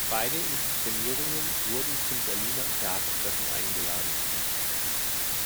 Beide Inszenierungen wurden zum Berliner Theatertreffen eingeladen.